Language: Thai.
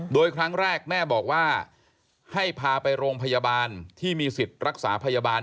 โดยครั้งแรกแม่บอกว่าให้พาไปโรงพยาบาลที่มีสิทธิ์รักษาพยาบาล